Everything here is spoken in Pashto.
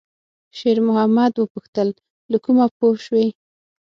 شېرمحمد وپوښتل: «له کومه پوه شوې؟»